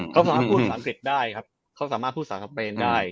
เขาสามารถพูดศังเกร็ดได้เขาสามารถพูดศัพท์เบนได้